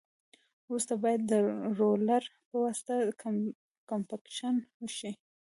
وروسته باید د رولر په واسطه کمپکشن شي